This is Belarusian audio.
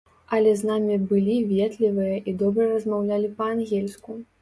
Але з намі былі ветлівыя і добра размаўлялі па-ангельску.